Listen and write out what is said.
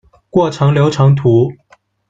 过程流程图。